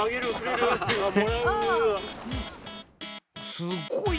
すごいね。